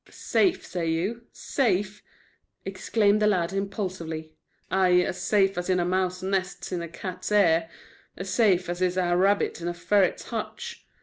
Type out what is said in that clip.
"Safe, say you, safe?" exclaimed the lad, impulsively. "Ay, as safe as is a mouse's nest in a cat's ear as safe as is a rabbit in a ferret's hutch.